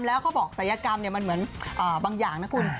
แล้วเขาบอกศัยกรรมมันเหมือนบางอย่างนะคุณ